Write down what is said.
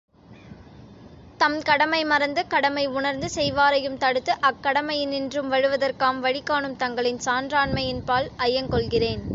தம் கடமை மறந்து, கடமை உணர்ந்து செய்வாரையும் தடுத்து, அக்கடமையினின்றும் வழுவுதற்காம் வழிகாணும் தங்களின் சான்றாண்மையின்பால் ஐயங் கொள்கிறேன்.